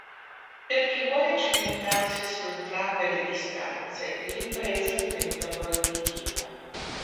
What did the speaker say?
Per chi vuole cimentarsi su entrambe le distanze l'impresa diventa proibitiva.